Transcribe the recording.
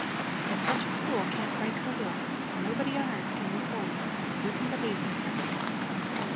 If such a school can't break her will, nobody on earth can reform her; you can believe me, Frederick."